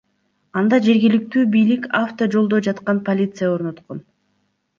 Анда жергиликтүү бийлик авто жолдо жаткан полиция орноткон.